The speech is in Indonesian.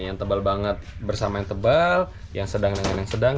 yang tebal banget bersama yang tebal yang sedang dengan yang sedang